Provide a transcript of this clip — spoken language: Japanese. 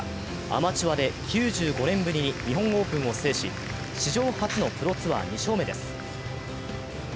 アマチュアで９５年ぶりに日本オープンを制し史上初のプロツアー２勝目です。